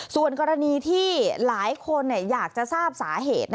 ส่วนกรณีที่หลายคนอยากจะทราบสาเหตุ